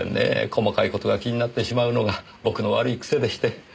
細かい事が気になってしまうのが僕の悪い癖でして。